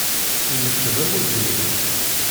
Imečč d amuddir.